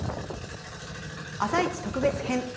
「あさイチ」特別編